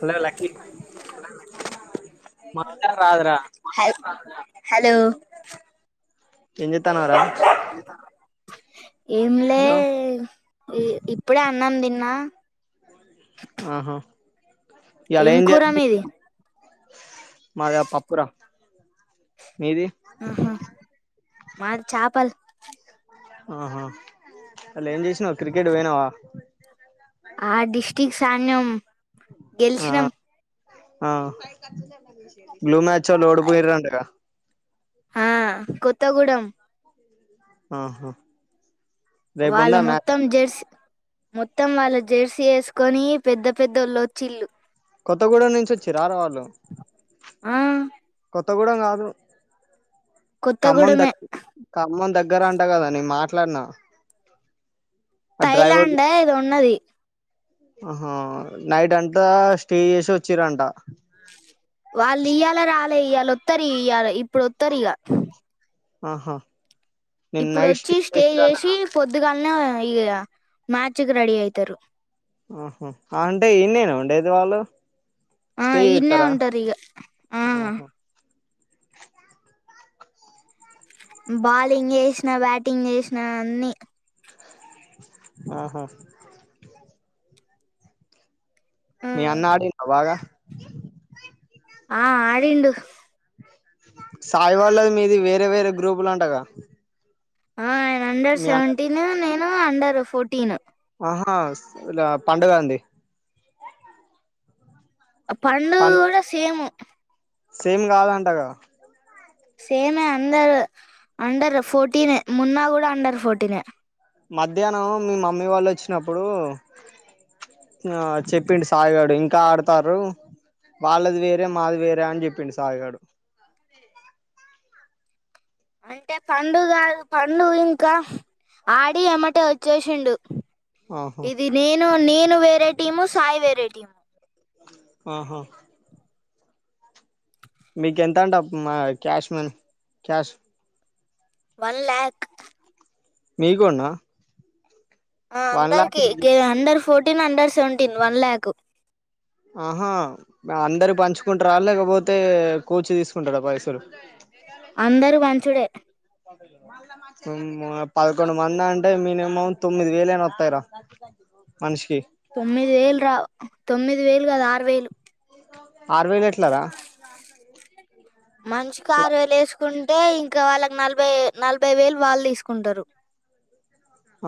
hello lucky మాట్లాడ రాదురా హ హలో ఏం చేత్తన్నావ్ రా హు ఏంలే హలో ఇప్పుడే అన్నాం తిన్న ఆహా ఏం కూర మీ మీది మాగా పాపురా ఆహ మారి చపల్ ఆహా అలా ఏం చేసినావు క్రికెట్ పోయినావా ఆ డిస్టిక్ అడినం ఆ గెలిచినాం ఆ బ్లూ మ్యాచ్ ఒళ్ళు ఓడిపోయింద్రు అంట గా ఆ కొత్తగూడెం ఆహా రేపు ఉందా వాళ్ళు మ్యాచ్ మొత్తం జెర్సీ మొత్తం వాళ్ళ జెర్సీ వేసుకొని పెద్ద పెద్దోళ్ళు ఒచ్చిన్లు కొత్తగూడెం నుంచి వచ్చిరార వాళ్ళు ఆ కొత్తగూడెం కాదు కమ్మం కొత్తగూడెమే దగ్గర్ దగ్గర అంట కదా నేను మాట్లాడినా థైలాడ్ ఏదో ఉన్నది ఆహ నైట్ అంతా స్టే చేసి వచ్చీరంట వాళ్ళు ఇయ్యాల రాలే ఇయాల వతరు ఇయాల ఇప్పుడు వతరు ఇగా ఆహా నిన్న నైట్ ఇప్పుడోచ్చి స్టే చేసిరంటనా చేసి పొద్దుగా ఇగ మార్చికి రెడి అయితారు ఆహా అంటే ఇన్నేనా ఉండేది వాళ్ళు ఆ స్టే ఈన్నే చేత్తర ఉంటారు ఇగ ఆ ఓహో బాలింగ్ చేసిన బ్యాటింగ్ చేసిన అన్ని ఆహా మీ అన్నా ఆడిండా బాగా ఆ ఆడిండు సాయి వాళ్ళది మీది వేరే వేరే గ్రూపులు అంటగా ఆయన అండర్ మీ అన్న సెవెంటీన్ నేను అండరు ఫోర్టీన్ ఆహా ఇలా పండు గాంది పండు కూడా కూడా సేము సేమ్ కాదంటగా సేమే అండర్ అండర్ ఫోర్టీనే మున్నా కూడా అండర్ ఫోర్టీనే మధ్యాహ్నం మీ మమ్మీ వాళ్ళు వచ్చినప్పుడు ఆ చెప్పిండు సాయిగాడు ఇంకా ఆడతారు వాళ్ళది వేరే మాది వేరే అని చెప్పిండు సాయిగాడు అంటే పండు గాడు పండు ఇంకా ఆడి ఏమటే వచ్చేసిండు ఆహా ఇది నేను నేను వేరే టీము సాయి వేరే టీము ఆహా మీక ఎంత అంటే మా క్యాష్ మన్ క్యాష్ వన్ ల్యాక్ మీకున్న ఆ అందరికి under fourteen under seventeen one lakh ఆహా అందరు పంచుకుంటార లేకపోతే కోచ్ తీసుకుంటార పైసలు అందరు పంచుడే పదకొండు మంది అంటే మినిమం తొమ్మిది వేలనా వస్తాయిరా మనిషికి తొమ్మిది వేలు రా తొమ్మిది వేలు కాదు ఆరు వేలు ఆరు వేలు ఎట్ల రా మనిషికి ఆరు వేలు ఎస్కో తీసుకుంటే ఇంకా వాళ్ళకి నలభై నలభై వేలు వాళ్ళు తీసుకుంటారు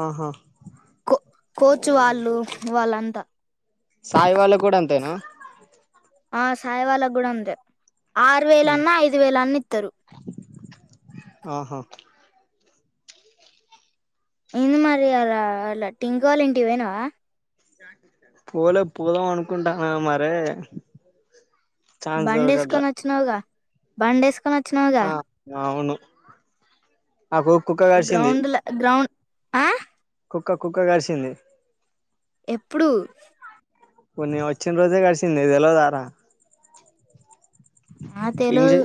ఆహా కో ఓ కోచ్ వాళ్ళు వాళ్ళంతా సాయి వాళ్ళకి కూడా అంతేనా అ సాయి వాళ్ళకు కూడా అంతే ఆరు వేలన్నా ఐదు వేలన్నా ఇత్తరు ఆహా ఏంది మరి అలా అలా టింకో వాళ్ళ ఇంటికి పోయినవా పోలే పోదాం అనుకుంటానా మరే ఛాన్స్ దొరకట్లే బండేసుకొని వచ్చినవుగా బండేసుకొని ఆ అవును ఆ కు కుక్క కరిచింది గ్రౌండ్ల గ్రౌండ్ ఆ కుక్క కుక్క కరిసింది ఎప్పుడు ఒరిని నేను వచ్చిన రోజే కరిసింది నీకు తెల్వదా రా ఆ తెలువదు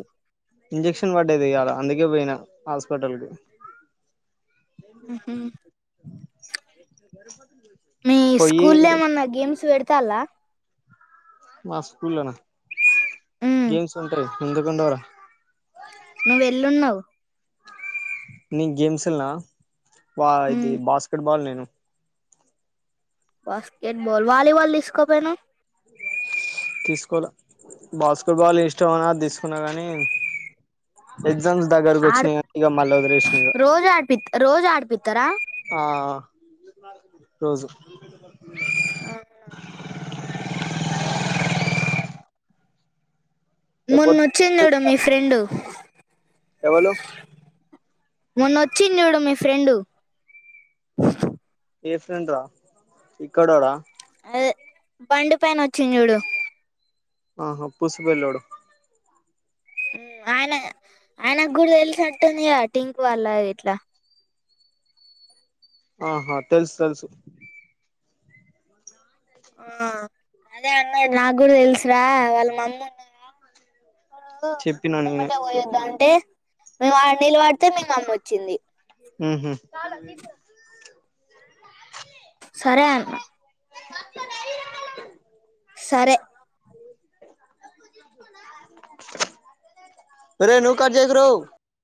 ఇంజెక్షన్ పడ్డది ఇయల అందుకే పోయినా హాస్పిటల్ కి ఉమ్ హు మీ పోయి స్కూలో ఏమన్నా గేమ్స్ పెడతాలా మా స్కూలో నా ఉమ్ గేమ్స్ ఉంటరి ఎందుకు ఉండవు రా నువ్ ఎల్లున్నావ్ నీ గేమ్స్నా వా ఉమ్ ఇది బాస్కెట్ బాల్ నేను బాస్కెట్బల్ వాలీబల్ తీస్కో పోయినవ్ తీసుకోల బాస్కెట్ బాల్ ఇష్టం అని ఆది తీసుకున్నా కానీ ఎగ్జామ్స్ దగ్గరకు వచ్చినయ్ ఇగ మల్ల వదిలేషిన ఇగ పిత్ రోజు ఆడిపితారా ఆ రోజు ఆ హా మొన్న వచ్చింది చూడు మీ ఫ్రెండు ఎవలు మొన్న వచ్చింది చూడు మీ ఫ్రెండు ఏ ఫ్రెండ్ రా ఎక్కడ రా అదే బండి పైన వచ్చింది చూడు ఆహా పుసుపల్లోడు ఆయన ఆయనకు గు తెలిసినట్టుందిగా టింక్ వాళ్ళ ఇట్లా ఆహా తెలుసు తెలుసు ఆ అదే అమ్మా నాకు కూడా తెలుసురా వాళ్ళ మమ్మీ ఉన్నారా చెప్పినా నేనే ఉమటే పోయద్దాం అంటే మేము నీళ్ళ వడితే మీ మమ్మి వచ్చింది ఉమ్ హు సరే అన్న ఇ సరే ఒరేయ్ నువ్ కట్ చేయకు రో